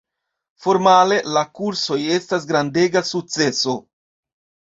Formale, la kursoj estas grandega sukceso.